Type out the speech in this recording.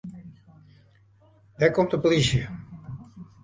Dêr komt de polysje.